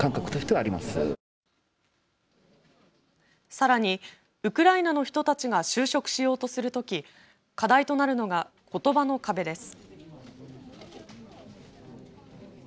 さらにウクライナの人たちが就職しようとするとき課題となるのが、ことばの壁です。